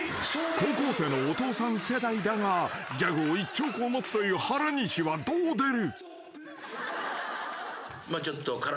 ［高校生のお父さん世代だがギャグを１兆個持つという原西はどう出る？］